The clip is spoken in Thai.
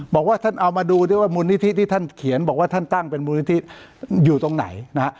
บอกว่าท่านเอามาดูด้วยว่ามูลนิธิที่ท่านเขียนบอกว่าท่านตั้งเป็นมูลนิธิอยู่ตรงไหนนะฮะ